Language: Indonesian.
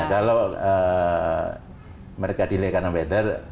kalau mereka delay karena weather kami memahami